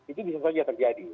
itu bisa saja terjadi